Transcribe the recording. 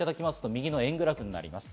右の円グラフです。